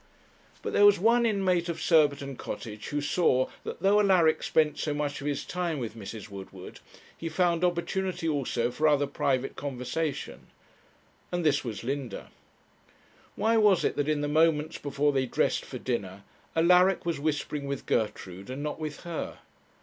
But there was one inmate of Surbiton Cottage who saw that though Alaric spent so much of his time with Mrs. Woodward, he found opportunity also for other private conversation; and this was Linda. Why was it that in the moments before they dressed for dinner Alaric was whispering with Gertrude, and not with her?